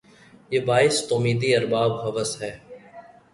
یہ باعث تومیدی ارباب ہوس ھے